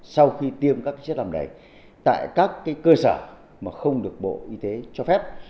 sau khi tiêm các chất làm đầy tại các cơ sở mà không được bộ y tế cho phép